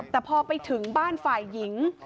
แต่พอไปถึงบ้านฝ่ายหญิง